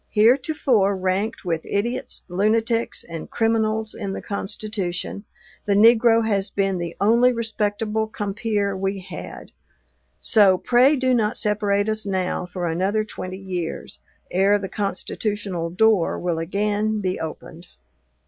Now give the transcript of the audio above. Heretofore ranked with idiots, lunatics, and criminals in the Constitution, the negro has been the only respectable compeer we had; so pray do not separate us now for another twenty years, ere the constitutional door will again be opened."